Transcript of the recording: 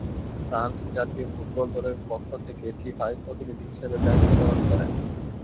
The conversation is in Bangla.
ফ্রান্স জাতীয় ফুটবল দলের পক্ষ থেকে ফিফায় প্রতিনিধি হিসেবে দায়িত্ব পালন করেন।